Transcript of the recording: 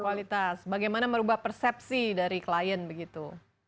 kualitas bagaimana merubah persepsi dari klien begitu